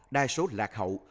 đa số lạc hậu